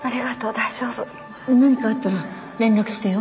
何かあったら連絡してよ。